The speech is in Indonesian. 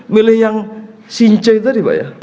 milih yang sinche tadi pak ya